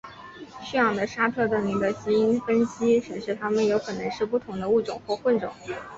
驯养的沙特瞪羚的基因分析显示它们有可能是不同的物种或混种。